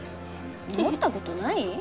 思ったことない？